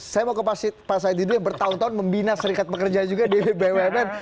saya mau ke pak said dulu yang bertahun tahun membina serikat pekerja juga di bumn